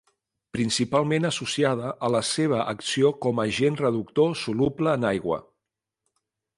Principalment associada a la seva acció com agent reductor soluble en aigua.